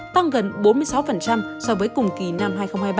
tăng gần bốn mươi bốn ba mươi sáu so với cùng kỳ năm hai nghìn hai mươi ba